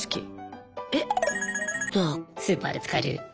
スーパーで使える。